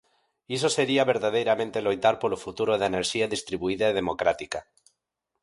Iso sería verdadeiramente loitar polo futuro da enerxía distribuída e democrática.